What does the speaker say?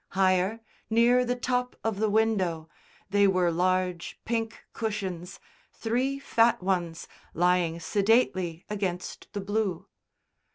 Higher, near the top of the window, they were large pink cushions, three fat ones, lying sedately against the blue.